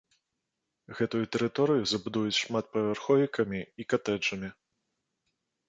Гэтую тэрыторыю забудуюць шматпавярховікамі і катэджамі.